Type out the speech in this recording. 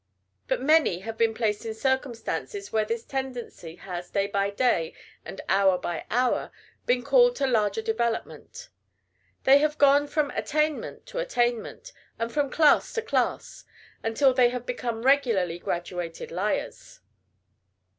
But many have been placed in circumstances where this tendency has day by day, and hour by hour, been called to larger development. They have gone from attainment to attainment, and from class to class, until they have become regularly graduated liars.